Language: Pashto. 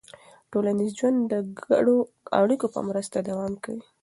ټولنیز ژوند د ګډو اړیکو په مرسته دوام کوي.